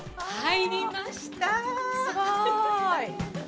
すごーい。